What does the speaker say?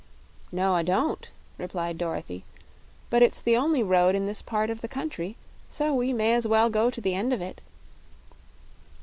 "No, I don't," replied Dorothy, "but it's the only road in this part of the country, so we may as well go to the end of it."